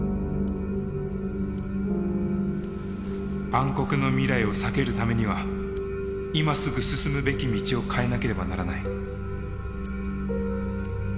暗黒の未来を避けるためには今すぐ進むべき道を変えなければならない。